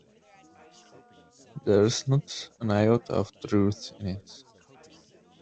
There's not an iota of truth in it.